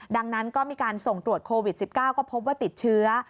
ดังนั้นก็มีการส่งตรวจโควิด๑๙ก็พบว่าติดเชื้อ